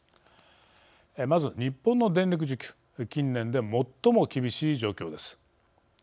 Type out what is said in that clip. まず、日本の電力需給近年で最も厳しい状況です。